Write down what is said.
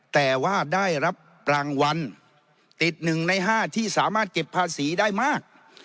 แต่ว่าได้รับรางวัลติด๑ใน๕ที่สามารถเก็บภาษีได้มาก